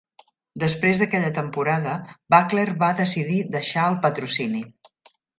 Després d'aquella temporada, Buckler va decidir deixar el patrocini.